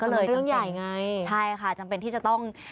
ก็เลยเรื่องใหญ่ไงใช่ค่ะจำเป็นที่จะต้อง